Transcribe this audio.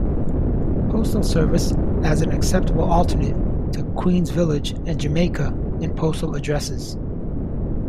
Postal Service as an "acceptable alternate" to Queens Village and Jamaica in postal addresses.